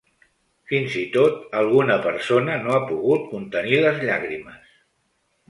Fins i tot, alguna persona no ha pogut contenir les llàgrimes.